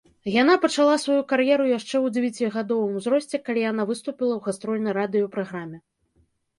Яна пачала сваю кар'еру яшчэ ў дзевяцігадовым узросце, калі яны выступіла ў гастрольнай радыёпраграме.